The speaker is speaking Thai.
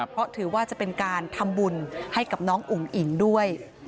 เพราะถือว่าจะเป็นการทำบุญให้กับน้องอุ๋งอิ๋งด้วย